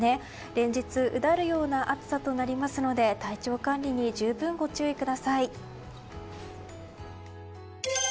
連日うだるような暑さとなりますので体調管理に十分ご注意ください。